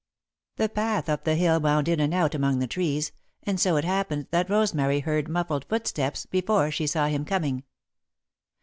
The path up the hill wound in and out among the trees, and so it happened that Rosemary heard muffled footsteps before she saw him coming.